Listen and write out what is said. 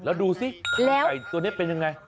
แล้วดูสิไก่ตัวนี้เป็นยังไง